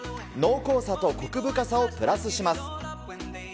濃厚さとこく深さをプラスします。